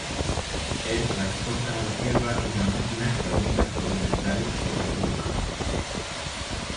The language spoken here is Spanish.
Él transporta a la Tierra una máquina que aumenta su poder mental sobre Hulk.